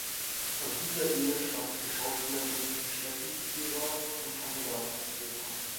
Aus dieser Ehe stammen die Schauspielerinnen Steffie Spira und Camilla Spira.